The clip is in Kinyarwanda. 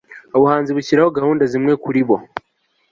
Ubuhanzi bushyiraho gahunda zimwe kuri bo